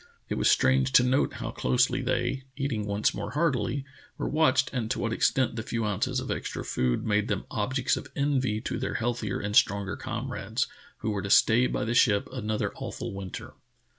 It was strange to note how closely the}', eating once more heartily, were watched and to what extent the few ounces of extra food made them objects of envy to their healthier and stronger comrades, who were to stay by the ship another awful winter.